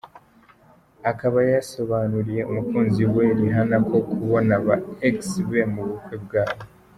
akaba yasobanuriye umukunzi we Rihanna ko kubona aba ex be mu bukwe bwabo.